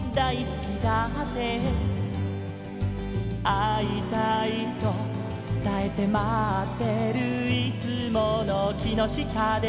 「会いたいとつたえて待ってるいつもの木の下で」